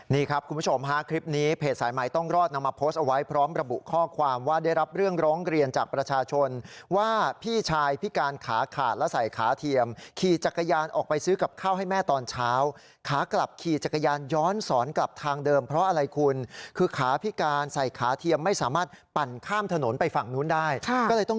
นี่ครับคุณผู้ชมฮะคลิปนี้เพจสายใหม่ต้องรอดนำมาโพสต์เอาไว้พร้อมระบุข้อความว่าได้รับเรื่องร้องเรียนจากประชาชนว่าพี่ชายพิการขาขาดและใส่ขาเทียมขี่จักรยานออกไปซื้อกับข้าวให้แม่ตอนเช้าขากลับขี่จักรยานย้อนสอนกลับทางเดิมเพราะอะไรคุณคือขาพิการใส่ขาเทียมไม่สามารถปั่นข้ามถนนไปฝั่งนู้นได้ก็เลยต้อง